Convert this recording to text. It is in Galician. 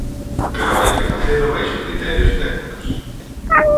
Pero hai que facelo baixo criterios técnicos.